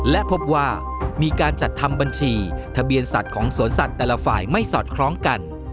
และพบว่ามีการจัดทำบัญชีทะเบียนสัตว์ของสวนสัตว์แต่ละฝ่ายไม่สอดคล้องกัน